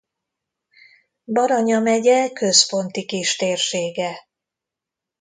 Baranya megye központi kistérsége.